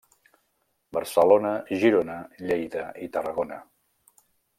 Barcelona, Girona, Lleida i Tarragona.